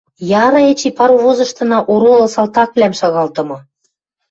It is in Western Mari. Яра эче, паровозыштына оролы салтаквлӓм шагалтымы.